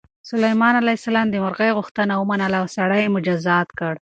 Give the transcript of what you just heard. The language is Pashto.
سلیمان علیه السلام د مرغۍ غوښتنه ومنله او سړی یې مجازات کړ.